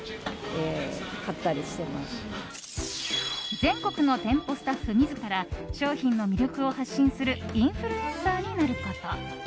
全国の店舗スタッフ自ら商品の魅力を発信するインフルエンサーになること。